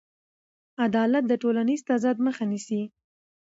عدالت د ټولنیز تضاد مخه نیسي.